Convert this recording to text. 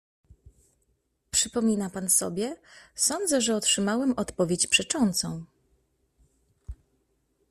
"Przypomina pan sobie, sądzę, że otrzymałem odpowiedź przeczącą."